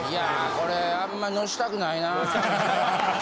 これあんま乗したくないな。